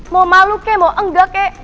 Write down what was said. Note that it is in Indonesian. mau malu kek mau enggak kek